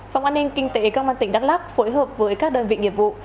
phòng an ninh kinh tế công an tỉnh đắk lắc phối hợp với các đơn vị nghiệp vụ